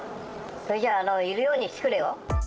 それじゃ、いるようにしてくれよ。